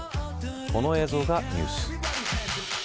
この映像がニュース。